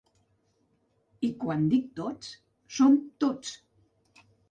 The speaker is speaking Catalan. I quan dic tots són tots.